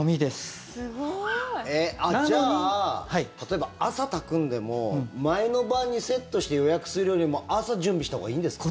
すごい！じゃあ、例えば朝炊くのでも前の晩にセットして予約するよりも朝準備したほうがいいんですか？